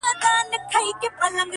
تر منګول یې څاڅکی څاڅکی تویېدلې.